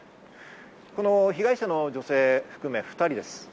被害者の女性を含む２人です。